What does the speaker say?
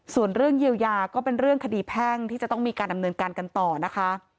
ส่วนเรื่องเยียวยาก็เป็นเรื่องคดีแพ่งที่จะต้องมีการดำเนินการกันต่อนะคะ